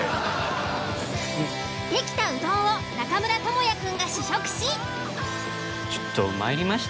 出来たうどんを中村倫也くんが試食し。